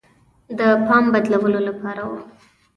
د پام بدلولو لپاره وه.